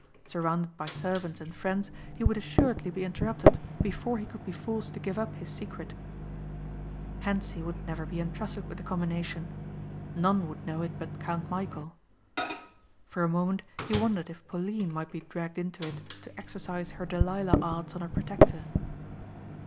Surrounded by servants and friends he would assuredly be interrupted before he could be forced to give up his secret. Hentzi would never be entrusted with the combination. None would know it but Count Michæl. For a moment he wondered if Pauline might be dragged into it to exercise her Delilah arts on her protector.